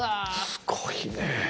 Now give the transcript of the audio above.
すごいねえ。